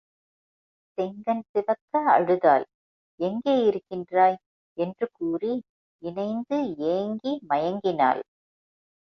செங்கண்சிவக்க அழுதாள் எங்கே இருக்கின்றாய்? என்று கூறி இணைந்து ஏங்கி மயங்கினாள்.